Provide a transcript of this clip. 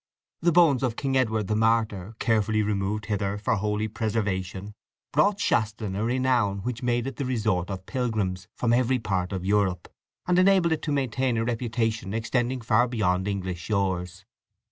The bones of King Edward "the Martyr," carefully removed hither for holy preservation, brought Shaston a renown which made it the resort of pilgrims from every part of Europe, and enabled it to maintain a reputation extending far beyond English shores.